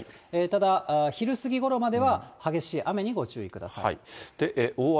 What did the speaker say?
ただ、昼過ぎごろまでは激しい雨にご注意ください。